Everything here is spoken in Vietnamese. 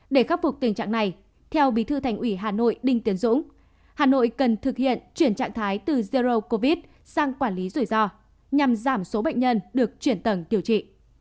để khắc phục tình trạng này theo bí thư thành ủy hà nội đinh tiến dũng hà nội cần thực hiện chuyển trạng thái từ zero covid sang quản lý rủi ro nhằm giảm số bệnh nhân được chuyển tầng điều trị